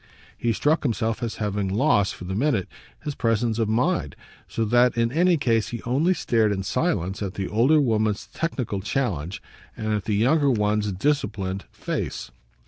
He struck himself as having lost, for the minute, his presence of mind so that in any case he only stared in silence at the older woman's technical challenge and at the younger one's disciplined face.